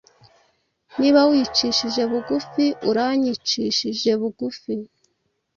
Niba wicishije bugufi, uranyicishije bugufi.